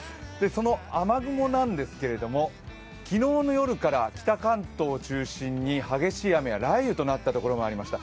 その雨雲なんですけれども昨日の夜から北関東を中心に激しい雨や雷雨となった所がありました。